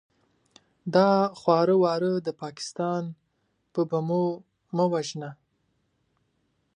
دا خواره واره د پاکستان په بمو مه وژنه!